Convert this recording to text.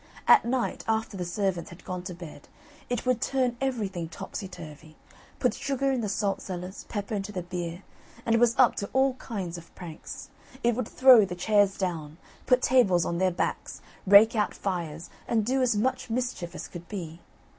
At night, after the servants had gone to bed, it would turn everything topsy turvy, put sugar in the salt cellars, pepper into the beer, and was up to all kinds of pranks. It would throw the chairs down, put tables on their backs, rake out fires, and do as much mischief as could be.